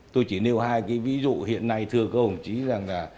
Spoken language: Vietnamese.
tôi chỉ nêu hai cái ví dụ hiện nay thưa các ông chí rằng là